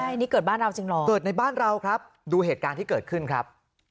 ใช่นี่เกิดบ้านเราจริงเหรอเกิดในบ้านเราครับดูเหตุการณ์ที่เกิดขึ้นครับ